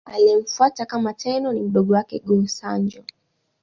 Aliyemfuata kama Tenno ni mdogo wake, Go-Sanjo.